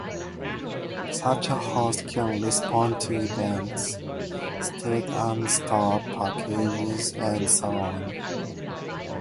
Such a host can respond to events, start and stop packages, and so on.